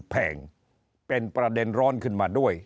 แพงเป็นประเด็นร้อนขึ้นมาด้วย